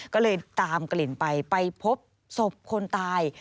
ก็เลยตามกลิ่นไปไปพบศพคนตาย